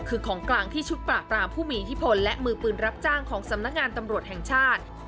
คือของกลางที่ชุดปราบรามผู้มีอิทธิพลและมือปืนรับจ้างของสำนักงานตำรวจแห่งชาติ